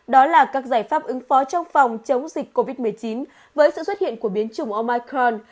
đó là các giải pháp ứng phó trong phòng chống dịch covid một mươi chín với sự xuất hiện của biến chủng omicron